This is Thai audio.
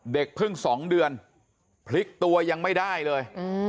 เด็กเพิ่ง๒เดือนพลิกตัวยังไม่ได้เลย